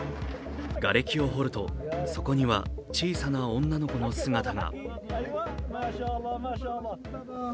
がれきを掘るとそこには小さな女の子の姿が。